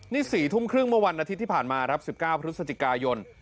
นี่๔ทุ่มครึ่งเมื่อวันอาทิตย์ที่ผ่านมาครับ๑๙พฤศจิกายน